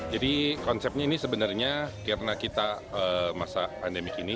jadi konsepnya ini sebenarnya karena kita masa pandemi kini